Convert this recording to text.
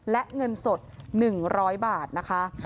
และเงินสด๑๐๐บาทนะคะ